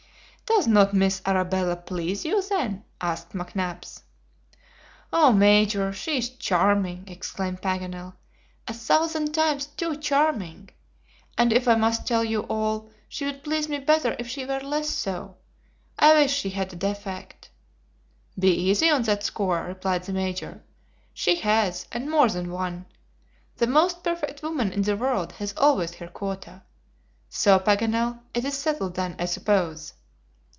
"Does not Miss Arabella please you then?" asked McNabbs. "Oh, Major, she is charming," exclaimed Paganel, "a thousand times too charming, and if I must tell you all, she would please me better if she were less so. I wish she had a defect!" "Be easy on that score," replied the Major, "she has, and more than one. The most perfect woman in the world has always her quota. So, Paganel, it is settled then, I suppose?"